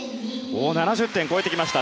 ７０点を超えてきました。